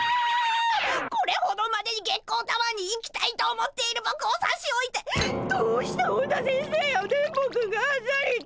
これほどまでに月光タワーに行きたいと思っているぼくをさしおいてどうして本田先生や電ボくんがあっさりと。